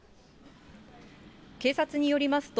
警察によりますと、